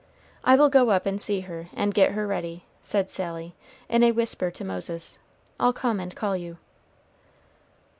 "I will go up and see her, and get her ready," said Sally, in a whisper to Moses. "I'll come and call you."